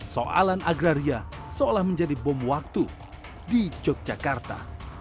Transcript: soalan agraria seolah menjadi bom waktu di yogyakarta